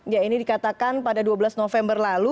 ya ini dikatakan pada dua belas november lalu